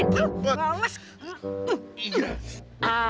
biasa melayuk woy ya